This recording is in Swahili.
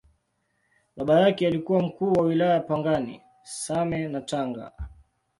Baba yake alikuwa Mkuu wa Wilaya Pangani, Same na Tanga.